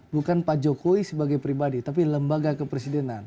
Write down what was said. bukan pak jokowi sebagai pribadi tapi lembaga kepresidenan